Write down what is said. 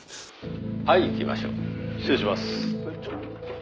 「はい行きましょう」「失礼します」